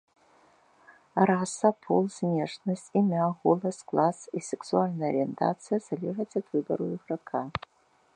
Раса, пол, знешнасць, імя, голас, клас і сексуальная арыентацыя залежаць ад выбару іграка.